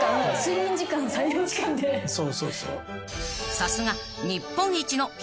［さすが］